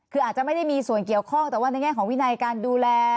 คืออาจจะไม่ได้มีส่วนเกี่ยวข้องแต่ว่าในแง่ของวินัยการดูแล